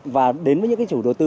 và đến với những chủ đầu tư